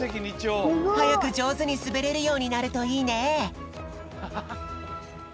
はやくじょうずにすべれるようになるといいね！